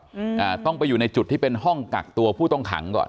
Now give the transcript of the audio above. อืมอ่าต้องไปอยู่ในจุดที่เป็นห้องกักตัวผู้ต้องขังก่อน